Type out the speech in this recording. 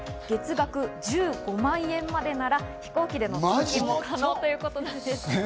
月額１５万円までなら飛行機での通勤も可能ということなんです。